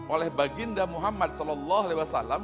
oleh baginda muhammad saw